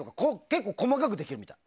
結構、細かくできるみたい。